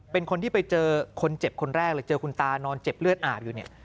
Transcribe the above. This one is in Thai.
เป็นคนที่ไปเจอคนเจ็บคนแรกเลยเจอคุณตานอนเจ็บเลือดอาบอยู่เนี่ย